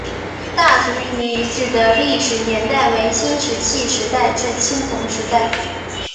大族坪遗址的历史年代为新石器时代至青铜时代。